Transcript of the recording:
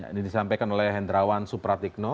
ini disampaikan oleh hendrawan supratikno